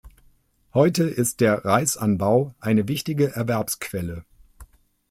Heute ist der Reisanbau eine wichtige Erwerbsquelle.